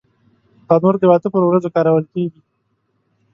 تنور د واده پر ورځو کارول کېږي